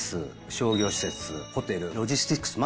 商業施設ホテルロジスティクスまでですね